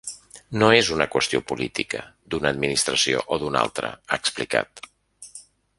No és una qüestió política, d’una administració o d’una altra, ha explicat.